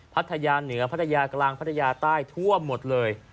พัทยาเหนือพัทยากลางพัทยาใต้ทั่วหมดเลย